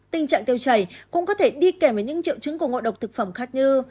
tình trạng tiêu chảy cũng có thể đi kèm với những triệu chứng của ngộ độc thực phẩm khác như